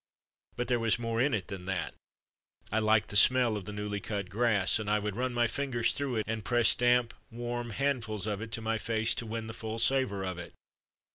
But there was more in it than that. I liked the smell of the newly cut grass, and I would run my fingers through it and press damp, warm handfuls of it to my face to win the full savour of it.